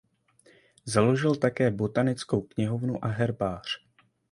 Založil také botanickou knihovnu a herbář.